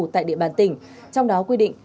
tại địa bàn tỉnh trong đó quy định